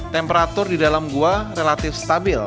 temperatur di dalam gua relatif stabil